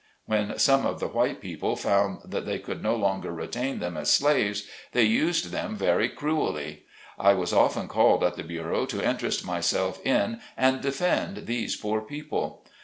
When some of the white people found that they could no longer retain them as slaves they used them very cruelly. I was often called at the bureau to interest myself in and defend these poor people.